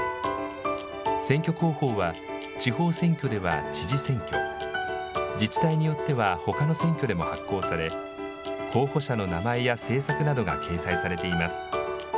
選挙公報は、地方選挙では知事選挙、自治体によってはほかの選挙でも発行され、候補者の名前や政策などが掲載されています。